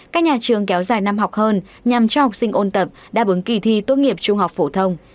các nhà trường kéo dài năm học hơn nhằm cho học sinh ôn tập đã ứng kỳ thi tốt nghiệp trung học phổ thông